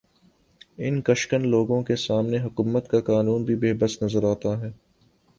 ان ق شکن لوگ کے سام حکومت کا قانون بھی بے بس نظر آتا ہے